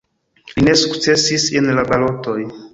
Li ne sukcesis en la balotoj.